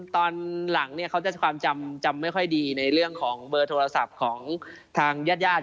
ตอนหลังเขาจะความจำไม่ค่อยดีในเรื่องของเบอร์โทรศัพท์ของทางญาติญาติ